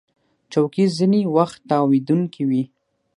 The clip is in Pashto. چوکۍ ځینې وخت تاوېدونکې وي.